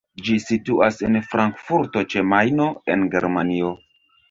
Ĝi situas en Frankfurto ĉe Majno, en Germanio.